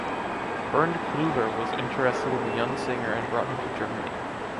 Bernd Clüver was interested in the young singer and brought him to Germany.